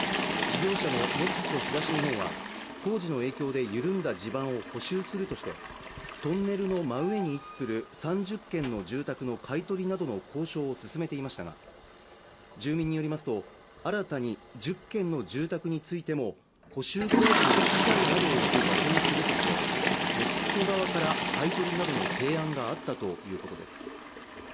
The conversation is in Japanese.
事業者のＮＥＸＣＯ東日本は、工事の影響で緩んだ地盤を補修するとして、トンネルの真上に位置する３０軒の住宅の買い取りなどの交渉を進めていましたが、住民によりますと、新たに１０軒の住宅についても補修工事の機材などを置く場所にするとして、ＮＥＸＣＯ側から買い取りなどの提案があったということです。